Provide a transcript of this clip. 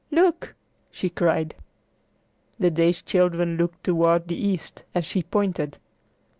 Look!" she cried. The dazed children looked toward the east as she pointed.